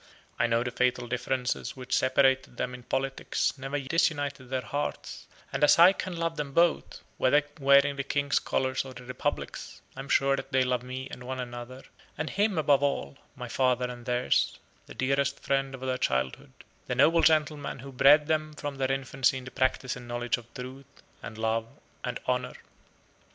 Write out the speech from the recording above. I know the fatal differences which separated them in politics never disunited their hearts; and as I can love them both, whether wearing the King's colors or the Republic's, I am sure that they love me and one another, and him above all, my father and theirs, the dearest friend of their childhood, the noble gentleman who bred them from their infancy in the practice and knowledge of Truth, and Love and Honor.